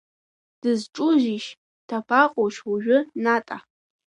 Дызҿузишь, дабаҟоушь ожәы Ната?